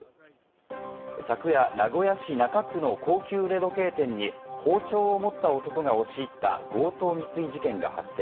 昨夜、名古屋市中区の高級腕時計店に包丁を持った男が押し入った強盗未遂事件が発生。